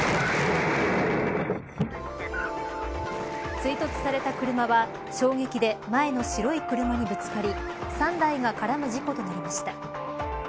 追突された車は衝撃で前の白い車にぶつかり３台が絡む事故となりました。